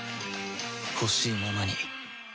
ほしいままに